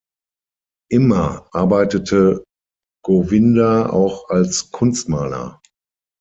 Immer arbeitete Govinda auch als Kunstmaler.